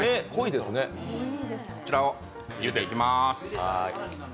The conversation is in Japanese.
こちらを茹でていきます。